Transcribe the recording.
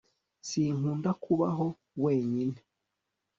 sinkunda kubaho wenyine